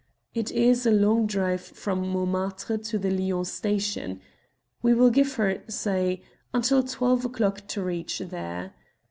It is a long drive from Montmartre to the Lyons station. We will give her, say, until twelve o'clock to reach there.